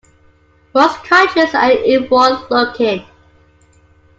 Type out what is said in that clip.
Most countries are inward looking.